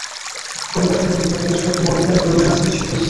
কবিতার সঙ্গে মিল রেখে বেশ কয়েকটি মৌলিক গানের পরিবেশনা ছিল শ্রুতিমধুর।